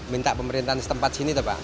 minta pemerintahan setempat sini